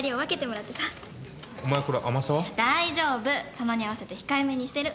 佐野に合わせて控えめにしてる。